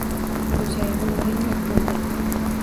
Xo`jayinim g`ing etmadi